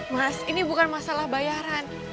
mas ini bukan masalah bayaran